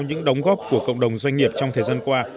những đóng góp của cộng đồng doanh nghiệp trong thời gian qua